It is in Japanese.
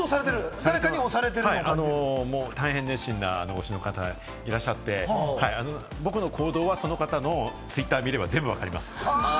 大変熱心な推しの方がいらっしゃって、僕の行動はその方のツイッターを見れば全部わかります。